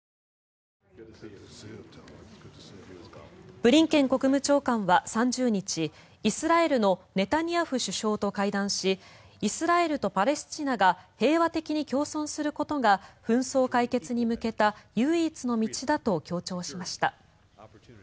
ブリンケン国務長官は３０日イスラエルのネタニヤフ首相と会談しイスラエルとパレスチナが平和的に共存することが紛争解決に向けた唯一の道だと強調しました。